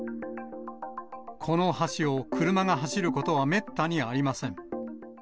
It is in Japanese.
この橋を車が走ることはめったにありません。